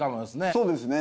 そうですね。